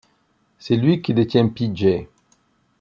C'est lui qui détient Pee Jay.